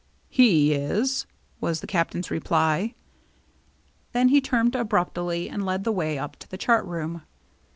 " He is !" was the Captain's reply. Then he turned abruptly and led the way up to the chart room.